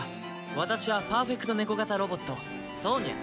ワタシはパーフェクトネコ型ロボットソーニャ。